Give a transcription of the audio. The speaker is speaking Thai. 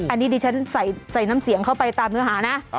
อันนี้ดิฉันใส่น้ำเสียงเข้าไปตามเนื้อหานะ